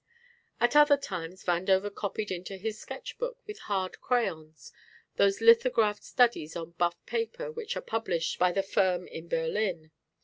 At other times Vandover copied into his sketch book, with hard crayons, those lithographed studies on buff paper which are published by the firm in Berlin.